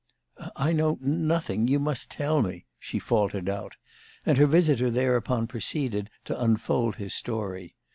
"I know nothing you must tell me," she faltered out; and her visitor thereupon proceeded to unfold his story.